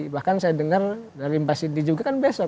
bahkan saya dengar dari mbak siti juga kan besok